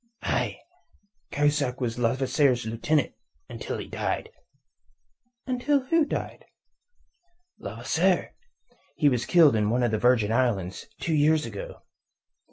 "Aye. Cahusac was Levasseur's lieutenant, until he died." "Until who died?" "Levasseur. He was killed on one of the Virgin Islands two years ago."